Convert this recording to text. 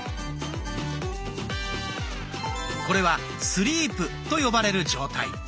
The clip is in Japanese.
これは「スリープ」と呼ばれる状態。